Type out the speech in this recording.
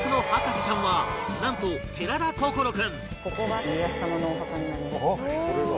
ここが家康様のお墓になります。